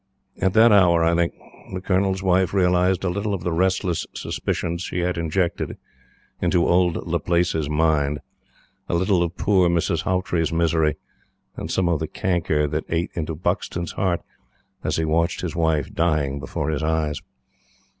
At that hour, I think, the Colonel's Wife realized a little of the restless suspicions she had injected into old Laplace's mind, a little of poor Miss Haughtrey's misery, and some of the canker that ate into Buxton's heart as he watched his wife dying before his eyes.